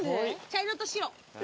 茶色と白。